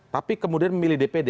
tapi kemudian memilih dpd